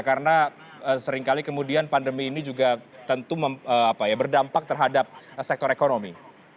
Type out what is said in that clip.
karena seringkali kemudian pandemi ini juga tentu berdampak terhadap sektor ekonomi